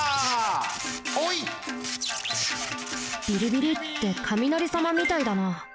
ビリビリってかみなりさまみたいだな。